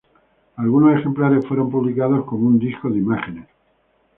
Algunos ejemplares fueron publicados como un disco de imágenes.